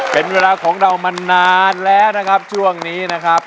เป็นเวลาของเรามานานแล้วนะครับช่วงนี้นะครับ